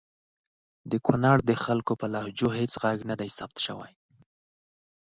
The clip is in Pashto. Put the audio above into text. د کنړ د خلګو په لهجو هیڅ ږغ ندی ثبت سوی!